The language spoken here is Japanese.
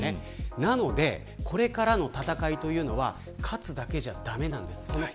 なのでこれからの戦いというのは勝つだけじゃ駄目なんです。